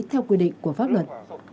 theo quy định của pháp luật